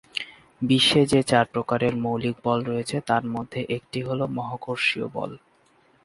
বিশ্বে যে চার প্রকারের মৌলিক বল রয়েছে তার মধ্যে একটি হল মহাকর্ষীয় বল।।